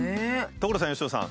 所さん佳乃さん。